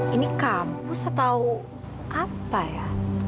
ini kampus atau apa ya